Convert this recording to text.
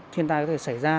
thiên tai có thể xảy ra